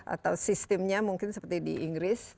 atau sistemnya mungkin seperti di inggris